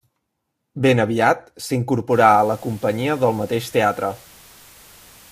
Ben aviat s'incorporà a la companyia del mateix teatre.